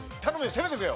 攻めてくれよ。